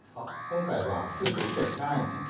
今回はスープを一切使わないんですよ。